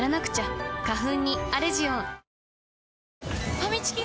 ファミチキが！？